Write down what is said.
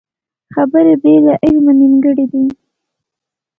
خبرې بې له عمله نیمګړې دي